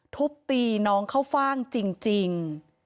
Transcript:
ทุบตีน้องเข้าฟ่างจริง